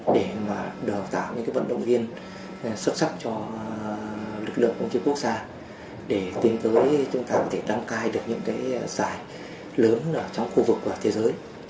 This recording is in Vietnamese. để đào tạo những vận động viên xuất sắc cho lực lượng công chức quốc gia để tìm tới chúng ta có thể đăng cai được những giải lớn trong khu vực và thế giới